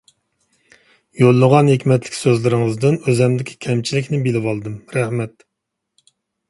يوللىغان ھېكمەتلىك سۆزىڭىزدىن ئۆزۈمدىكى كەمچىلىكنى بىلىۋالدىم، رەھمەت.